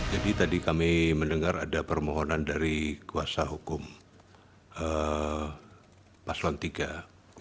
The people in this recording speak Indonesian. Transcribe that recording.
jadi tadi kami mendengar ada permohonan dari kuasa hukum paslon iii